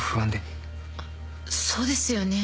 あっそうですよね。